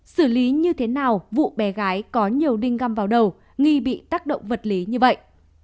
xử lý như thế nào vụ bé gái có nhiều đinh găm vào đầu nghi bị tác động vật lý như vậy